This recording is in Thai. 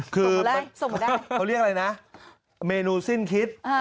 คือเขาเรียกอะไรนะเมนูสิ้นคิด